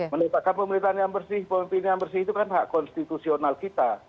menetapkan pemerintahan yang bersih pemimpin yang bersih itu kan hak konstitusional kita